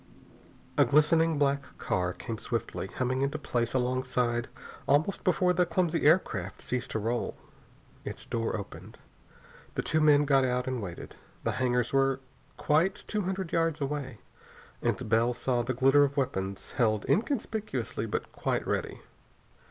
A glistening black car came swiftly, humming into place alongside almost before the clumsy aircraft ceased to roll. Its door opened. Two men got out and waited. The hangars were quite two hundred yards away, and Bell saw the glitter of weapons held inconspicuously but quite ready.